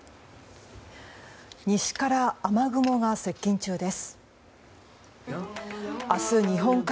西から雨雲が接近中です。